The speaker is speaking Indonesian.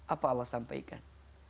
apa allah sampaikan